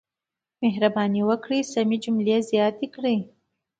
مهرباني وکړئ سمې جملې زیاتې کړئ.